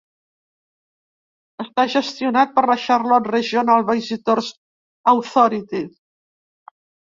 Està gestionat per la Charlotte Regional Visitors Authority.